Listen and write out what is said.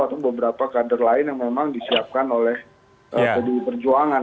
atau beberapa kader lain yang memang disiapkan oleh pdi perjuangan